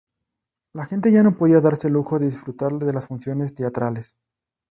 La gente ya no podía darse el lujo de disfrutar de las funciones teatrales.